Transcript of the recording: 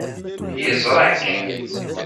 Yeẓra-k.